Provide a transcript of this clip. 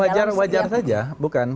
wajar wajar saja bukan